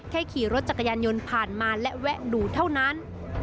แค่ขี่รถจักรยานยนต์ผ่านมาและแวะดูเท่านั้น